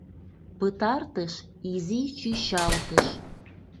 Пытартыш — Изи чӱчалтыш.